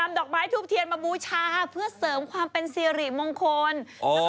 บ้านเขาทาตีเบาทำไมกันนะครับ